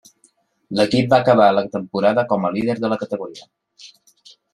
L'equip va acabar la temporada com a líder de la categoria.